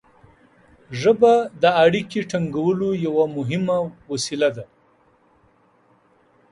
ژبه د اړیکې ټینګولو یوه مهمه وسیله ده.